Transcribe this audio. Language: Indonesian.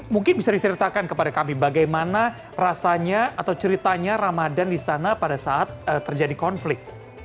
mungkin bisa diceritakan kepada kami bagaimana rasanya atau ceritanya ramadan di sana pada saat terjadi konflik